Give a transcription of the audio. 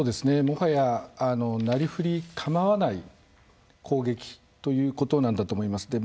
もはやなりふりかまわない攻撃ということなんだと思います。